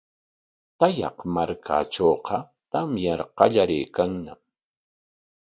Taqay markatrawqa tamyar qallariykanñam.